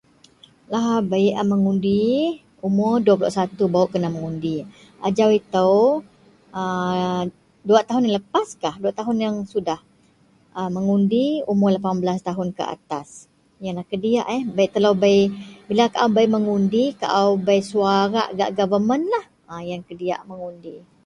lahabei a megundi umor dua pulok satu baru kena mengundi, ajau itou a dua tahun lepaihkah dua tahun yang sudah a mengundi umor lapan belaih tahun ke atas, ienlah kediyak eh bei telou bei bila au bei mengundi au bei suarak gak gevamentlah, a ien kediyak mengundi